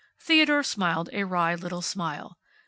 Theodore smiled a wry little smile.